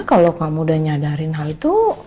kalau kamu sudah menyadarkan hal itu